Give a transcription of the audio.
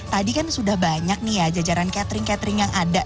tadi kan sudah banyak nih ya jajaran catering catering yang ada